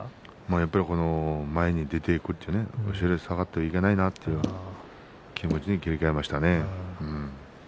やっぱり前に出ていく後ろに下がったらいけないなという気持ちに切り替えましたね。